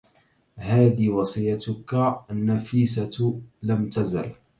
هذي وصيتك النفيسة لم تزل